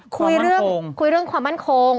คุยเรื่องความมั่นคง